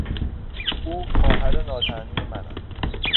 او خواهر ناتنی من است.